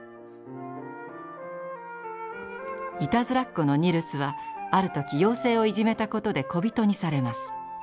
いたずらっ子のニルスはある時妖精をいじめたことで小人にされます。